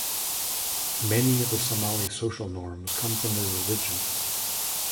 Many of the Somali social norms come from their religion.